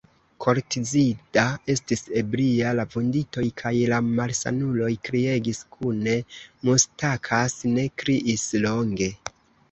Koltzida estis ebria; la vunditoj kaj la malsanuloj kriegis kune; Mustakas ne kriis longe.